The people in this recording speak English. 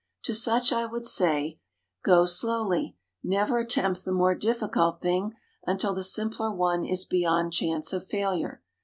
To such I would say, go slowly; never attempt the more difficult thing until the simpler one is beyond chance of failure.